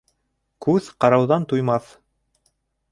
Күҙ ҡарауҙан туймаҫ.